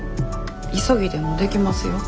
急ぎでもできますよ。